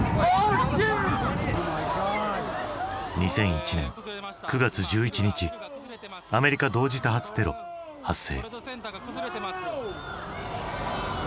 ２００１年９月１１日アメリカ同時多発テロ発生。